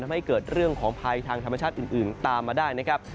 ทำให้เกิดเรื่องของภัยทางธรรมชาติอื่นตามมาได้นะครับ